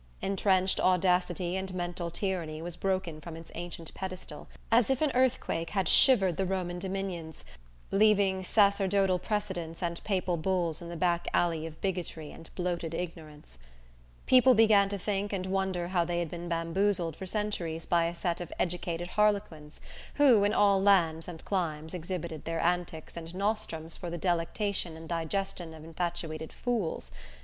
Entrenched audacity and mental tyranny was broken from its ancient pedestal, as if an earthquake had shivered the Roman dominions, leaving sacerdotal precedents and papal bulls in the back alley of bigotry and bloated ignorance. People began to think and wonder how they had been bamboozled for centuries by a set of educated harlequins, who, in all lands and climes exhibited their antics and nostrums for the delectation and digestion of infatuated fools!